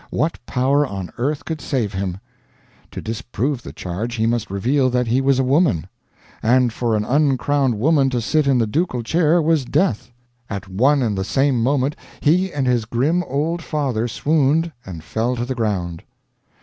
What power on earth could save him! To disprove the charge he must reveal that he was a woman, and for an uncrowned woman to sit in the ducal chair was death! At one and the same moment he and his grim old father swooned and fell to the ground.